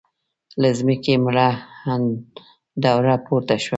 له ځمکې مړه دوړه پورته شوه.